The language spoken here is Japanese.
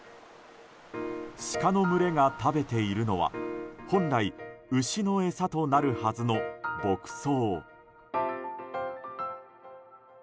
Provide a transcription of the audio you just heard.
シカの群れが食べているのは本来、牛の餌となるはずの牧草。